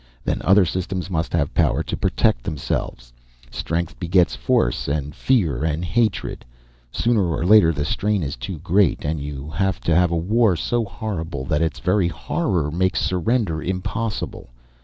Then other systems must have power to protect themselves. Strength begets force and fear and hatred. Sooner or later, the strain is too great, and you have a war so horrible that its very horror makes surrender impossible.